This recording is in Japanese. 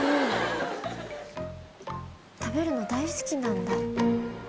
食べるの大好きなんだ。